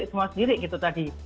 semua sendiri gitu tadi